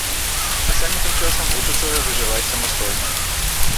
А самі тым часам вучацца выжываць самастойна.